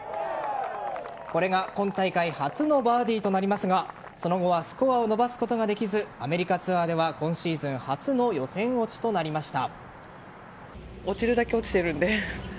これが今大会初のバーディーとなりますがその後はスコアを伸ばすことができずアメリカツアーでは今シーズン初の予選落ちとなりました。